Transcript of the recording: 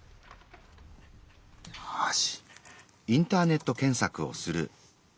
よし。